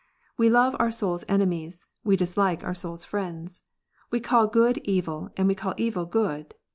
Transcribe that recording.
We love our soul s enemies, we dislike our soul s friends. We call good evil, and we call evil good.